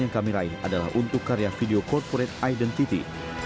yang kami raih adalah untuk karya video corporate identity